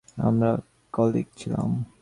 আমরা কলিগ ছিলাম।